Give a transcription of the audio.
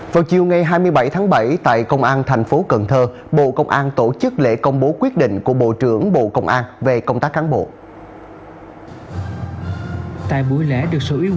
vào chiều ngày hai mươi bảy tháng bảy tại công an thành phố cần thơ bộ công an tổ chức lễ công bố quyết định của bộ trưởng bộ công an về công tác cán bộ